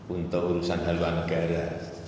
untuk urusan hal luar negara